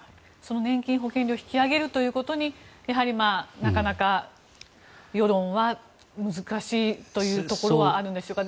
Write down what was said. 年金保険料を引き上げることになかなか世論は難しいというところはあるんでしょうか。